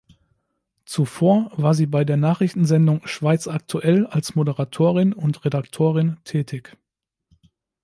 Zuvor war sie bei der Nachrichtensendung Schweiz aktuell als Moderatorin und Redaktorin tätig.